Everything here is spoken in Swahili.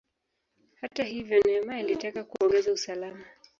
Hata hivyo, Nehemia alitaka kuongeza usalama.